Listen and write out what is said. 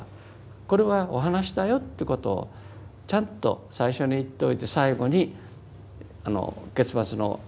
これはお話だよということをちゃんと最初に言っておいて最後に結末の言葉をつけますよね。